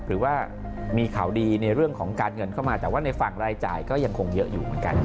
หรือว่ามีข่าวดีในเรื่องของการเงินเข้ามาแต่ว่าในฝั่งรายจ่ายก็ยังคงเยอะอยู่เหมือนกัน